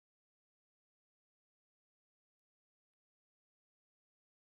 A esto se le llama un "coeficiente de vacío positivo".